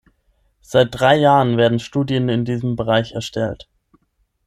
Seit drei Jahren werden Studien in diesem Bereich erstellt.